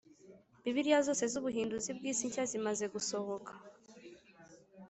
Bibiliya zose z Ubuhinduzi bw isi nshya zimaze gusohoka